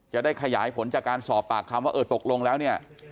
จะได้ขยายผลจากการสอบปากคำว่าเออตกลงแล้วเนี่ย